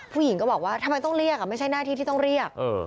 ผู้หญิงก็บอกว่าทำไมต้องเรียกไม่ใช่หน้าที่ที่ต้องเรียก